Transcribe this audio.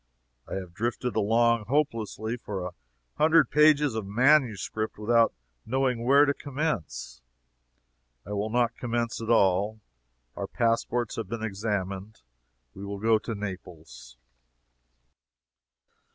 I have drifted along hopelessly for a hundred pages of manuscript without knowing where to commence. I will not commence at all. Our passports have been examined. We will go to Naples.